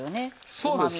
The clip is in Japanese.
そうです。